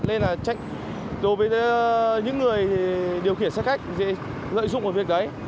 nên là đối với những người điều khiển xe khách dễ lợi dụng một việc đấy